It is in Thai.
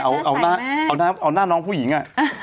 เอาหน้าน้องผู้หญิง